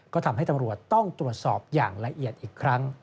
ก็ทำให้ตำรวจต้องตรวจสอบอย่างละเอียดอีกครั้ง